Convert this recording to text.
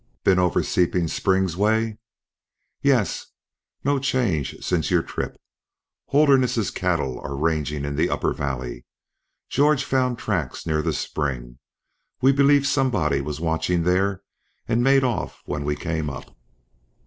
"Been over Seeping Springs way?" "Yes. No change since your trip. Holderness's cattle are ranging in the upper valley. George found tracks near the spring. We believe somebody was watching there and made off when we came up."